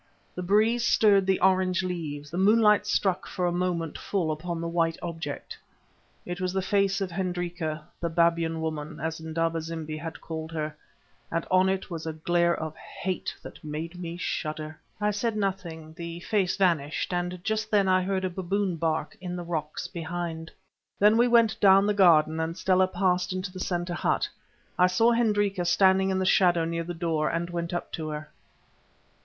The breeze stirred the orange leaves, the moonlight struck for a moment full upon the white object. It was the face of Hendrika, the Babyan woman, as Indaba zimbi had called her, and on it was a glare of hate that made me shudder. I said nothing; the face vanished, and just then I heard a baboon bark in the rocks behind. Then we went down the garden, and Stella passed into the centre hut. I saw Hendrika standing in the shadow near the door, and went up to her.